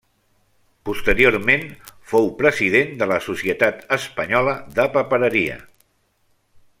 Posteriorment fou president de la Societat Espanyola de Papereria.